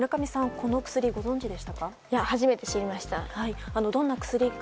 この薬はご存じでしたか？